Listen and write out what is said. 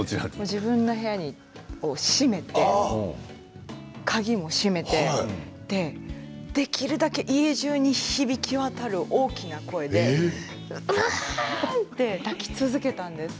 自分の部屋を閉めて鍵も閉めてできるだけ家じゅうに響き渡る大きな声で、うわあ！って泣き続けたんです。